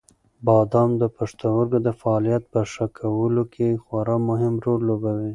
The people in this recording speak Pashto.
بادام د پښتورګو د فعالیت په ښه کولو کې خورا مهم رول لوبوي.